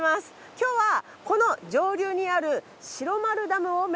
今日はこの上流にある白丸ダムを目指します。